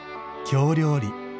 京料理。